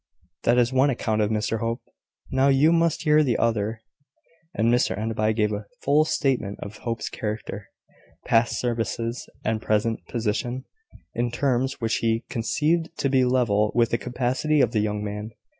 "That is one account of Mr Hope: now you must hear the other." And Mr Enderby gave a full statement of Hope's character, past services, and present position, in terms which he conceived to be level with the capacity of the young man.